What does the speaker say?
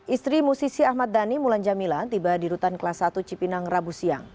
istri musisi ahmad dhani mulan jamila tiba di rutan kelas satu cipinang rabu siang